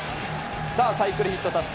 さあ、サイクルヒット達成。